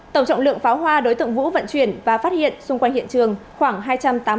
tổng trọng lượng pháo hoa đối tượng vũ vận chuyển và phát hiện xung quanh hiện trường khoảng hai trăm tám mươi